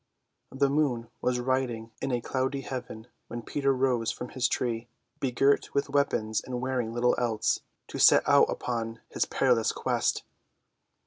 The moon was riding in a cloudy heaven when Peter rose from his tree, begirt with weapons and wearing little else, to set out upon his perilous quest.